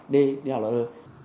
đi nào là ơ